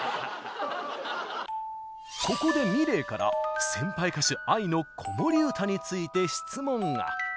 ここでｍｉｌｅｔから先輩歌手ＡＩの子守唄について質問が。